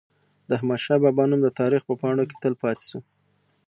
د احمد شاه بابا نوم د تاریخ په پاڼو کي تل پاتي سو.